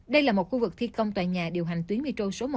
đây là một khu vực thi công tòa nhà điều hành tuyến metro số một